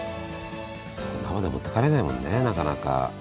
そのままじゃ持って帰れないもんねなかなか。